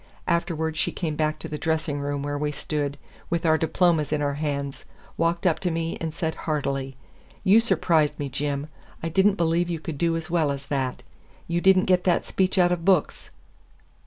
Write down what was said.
Afterward she came back to the dressing room where we stood, with our diplomas in our hands, walked up to me, and said heartily: "You surprised me, Jim. I did n't believe you could do as well as that. You did n't get that speech out of books."